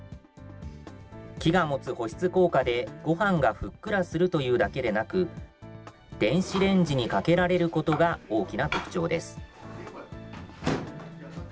木が持つ保湿効果でごはんがふっくらするというだけでなく、電子レンジにかけられることが大きな特徴です。